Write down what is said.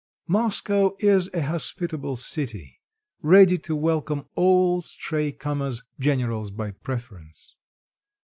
Moscow is a hospitable city, ready to welcome all stray comers, generals by preference.